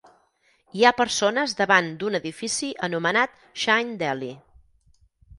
Hi ha persones davant d'un edifici anomenat Shine Deli.